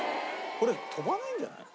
これ飛ばないんじゃない？